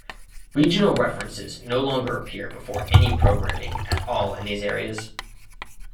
Regional references no longer appear before any programming at all in these areas.